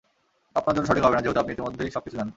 আপনার জন্য সঠিক হবে না যেহেতু আপনি ইতিমধ্যেই সবকিছু জানেন।